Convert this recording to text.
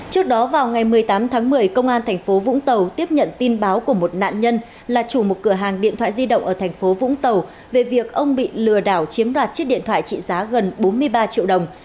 trước đó vào ngày một mươi tám tháng một mươi công an thành phố vũng tàu tiếp nhận tin báo của một nạn nhân là chủ một cửa hàng điện thoại di động ở thành phố vũng tàu về việc ông bị lừa đảo chiếm đoạt chiếc điện thoại trị giá gần bốn mươi ba triệu đồng